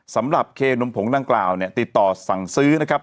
สำหรับเคนมผงดังกล่าวเนี่ยติดต่อสั่งซื้อนะครับ